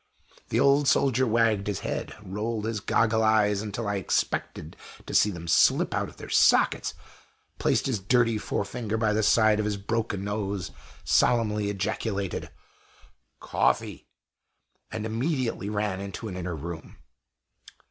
The old soldier wagged his head, rolled his goggle eyes, until I expected to see them slip out of their sockets; placed his dirty forefinger by the side of his broken nose; solemnly ejaculated "Coffee!" and immediately ran off into an inner room.